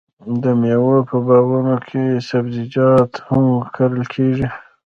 د میوو په باغونو کې سبزیجات هم کرل کیږي.